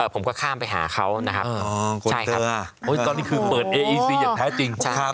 พูดไปขายที่ไหน